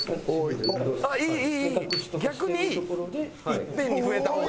いっぺんに増えた方が。